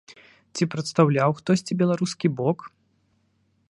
Ці прадстаўляў хтосьці беларускі бок?